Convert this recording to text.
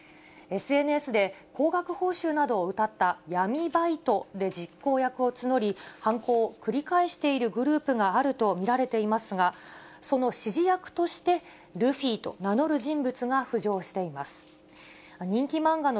ＳＮＳで高額報酬などをうたった闇バイトで実行役を募り、犯行を繰り返しているグループがあると見られていますが、その指示役として、ルフィと名乗る人物が浮上しています。